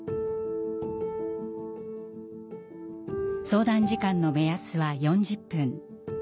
相談時間の目安は４０分。